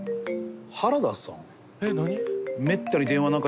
原田さん？